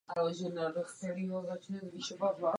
Momentálně hraje v Mladé Boleslavi.